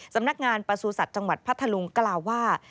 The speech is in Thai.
สำนักงานประสูจัตว์จังหวัดพัทธลุงกล่าวว่า